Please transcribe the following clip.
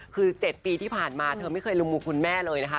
คือ๗ปีที่ผ่านมาเธอไม่เคยลุมมุกคุณแม่เลยนะคะ